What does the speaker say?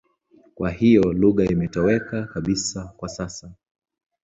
Kwa hiyo lugha imetoweka kabisa kwa sasa.